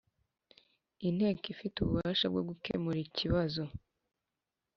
Inteko ifite ububasha bwo gukemura ikibazo